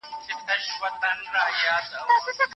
نوي اقتصادي سياستونه بايد د خلګو د اړتياوو پر بنسټ جوړ سي.